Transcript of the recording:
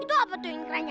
itu apa tuh ingranya